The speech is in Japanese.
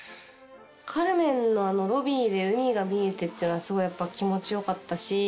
『カルメン』のロビーで海が見えてっていうのはすごいやっぱ気持ち良かったし。